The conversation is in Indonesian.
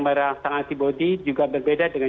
merangsang antibody juga berbeda dengan